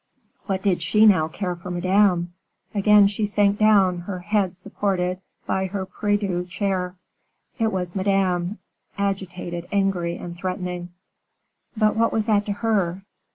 What did she now care for Madame! Again she sank down, her head supported by her prie Dieu chair. It was Madame, agitated, angry, and threatening. But what was that to her?